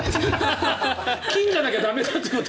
金じゃなきゃ駄目だってこと？